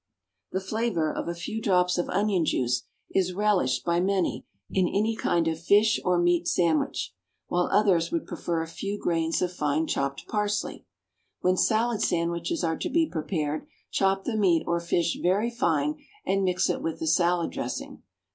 The flavor of a few drops of onion juice is relished by many in any kind of fish or meat sandwich, while others would prefer a few grains of fine chopped parsley. When salad sandwiches are to be prepared, chop the meat or fish very fine and mix it with the salad dressing.